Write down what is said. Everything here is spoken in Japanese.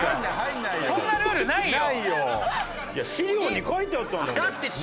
そんなルールないよ！